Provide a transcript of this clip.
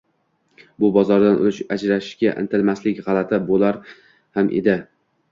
bu bozordan ulush ajratishga intilmaslik g‘alati bo‘lar ham edi.